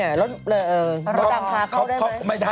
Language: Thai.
เราตามท้าเข้าได้ไหม